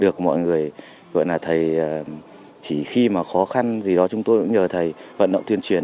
được mọi người gọi là thầy chỉ khi mà khó khăn gì đó chúng tôi cũng nhờ thầy vận động tuyên truyền